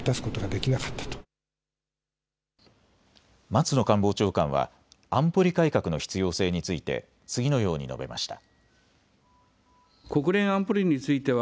松野官房長官は安保理改革の必要性について次のように述べました。